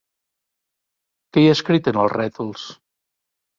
Què hi ha escrit en els rètols?